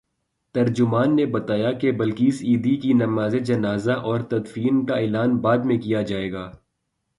ترجمان نے بتایا کہ بلقیس ایدھی کی نمازجنازہ اورتدفین کا اعلان بعد میں کیا جائے گا۔